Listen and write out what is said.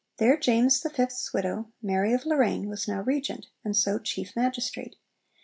There James the Fifth's widow, Mary of Lorraine, was now Regent, and so chief 'Magistrate.'